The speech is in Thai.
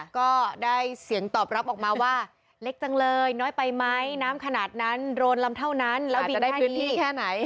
ก็ได้เสียงตอบรับออกมาว่าเล็กจังเลยน้อยไปไหมน้ำขนาดนั้นโรนลำเท่านั้นแล้วมีในพื้นที่แค่ไหน